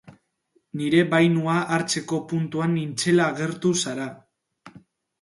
Nire bainua hartzeko puntuan nintzela agertu zara.